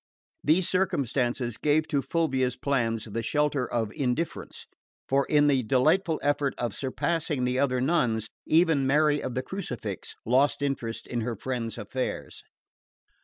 These circumstances gave to Fulvia's plans the shelter of indifference; for in the delightful effort of surpassing the other nuns even Mary of the Crucifix lost interest in her friend's affairs.